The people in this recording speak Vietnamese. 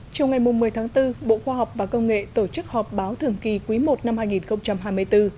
trong ngày một mươi tháng bốn bộ khoa học và công nghệ tổ chức họp báo thường kỳ quý i năm hai nghìn hai mươi bốn